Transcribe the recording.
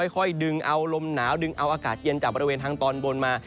ค่อยดึงเอาลมหนาวดึงเอาอากาศเย็นจากบริเวณทางตอนบนมา